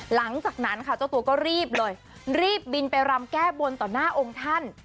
หลังจากนั้นค่ะเจ้าตัวก็รีบเลยรีบบินไปรำแก้บนต่อหน้าองค์ท่าน